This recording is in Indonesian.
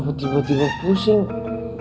bitte satuan juga